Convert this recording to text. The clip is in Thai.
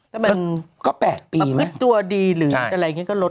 ก็เป็นก็แปดปีไหมประพฤติตัวดีหรืออะไรอย่างงี้ก็ลด